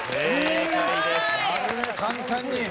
簡単に。